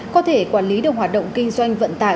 có thể quản lý được hoạt động kinh doanh vận tải